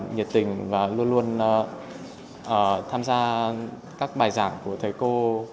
nhiệt tình và luôn luôn tham gia các bài giảng của thầy cô